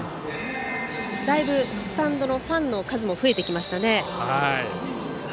スタンドのファンの数もだいぶ増えてきましたね。